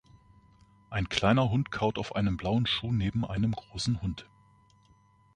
Ein kleiner Hund kaut auf einem blauen Schuh neben einem großen Hund.